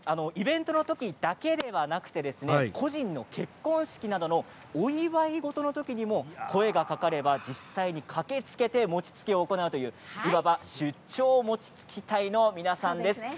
イベントのときだけではなく個人の結婚式などのお祝い事のときにも声がかかれば実際に駆けつけて餅つきを行うといういわば出張餅つき隊の皆さんです。